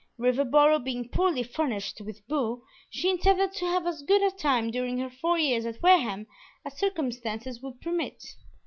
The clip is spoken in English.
Riverboro being poorly furnished with beaux, she intended to have as good a time during her four years at Wareham as circumstances would permit.